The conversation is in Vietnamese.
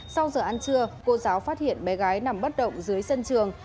sau giờ ăn trưa cô giáo phát hiện bé gái nằm bất động dưới sân trường